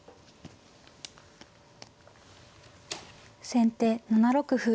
先手７六歩。